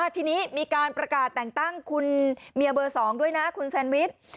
ทีนี้มีการประกาศแต่งตั้งคุณเมียเบอร์๒ด้วยนะคุณแซนวิช